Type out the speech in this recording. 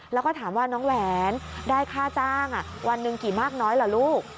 แล้วก็ถามว่าน้องแหวนได้ค่าจ้างวันหนึ่งกี่มากน้อยล่ะลูก